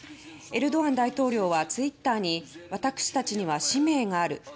エルドアン大統領はツイッターに私たちには使命がある。